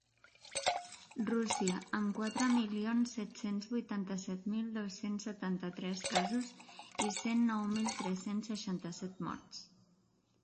Rússia, amb quatre milions set-cents vuitanta-set mil dos-cents setanta-tres casos i cent nou mil tres-cents seixanta-set morts.